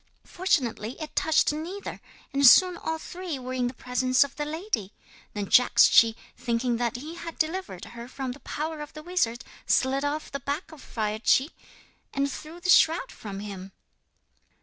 Fortunately it touched neither, and soon all three were in the presence of the lady. Then Jagdschi, thinking that he had delivered her from the power of the wizard, slid off the back of Firedschi, and threw the shroud from him.'